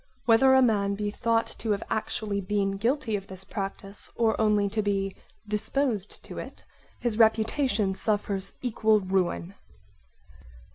Whether a man be thought to have actually been guilty of this practise or only to be disposed to it, his reputation suffers equal ruin.